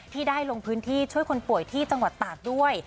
ที่ได้ลงพื้นที่ช่วยคนป่วยที่จังหวัดตากด้วย